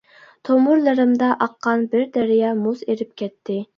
تومۇرلىرىمدا ئاققان بىر دەريا مۇز ئېرىپ كەتتى.